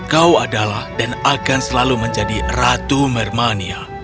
kau adalah dan akan selalu menjadi ratu mermania